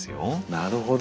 なるほど。